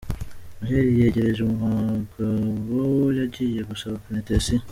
Noheli yegereje , umugabo yagiye gusaba Penetensiya.